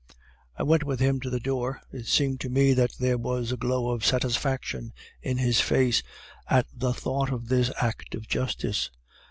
"I went with him to the door; it seemed to me that there was a glow of satisfaction in his face at the thought of this act of justice.